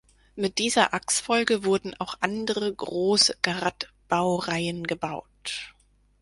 Mit dieser Achsfolge wurden auch andere große Garratt-Baureihen gebaut.